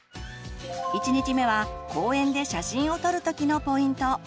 １日目は公園で写真を撮る時のポイント。